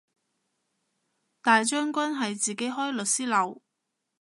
大將軍係自己開律師樓